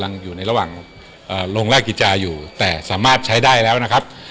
กำลังอยู่ในระหว่างลงละกิจละเจริญไลน์แต่ใช้ได้แล้วนะครับ